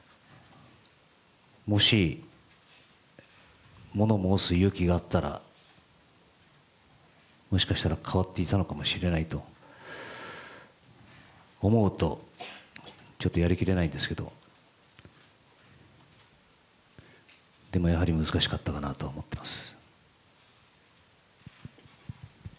もし物申す勇気があったらもしかしたら変わっていたのかもしれないと思うとちょっとやりきれないんですけど、でも、やはり難しかったかなと思っています。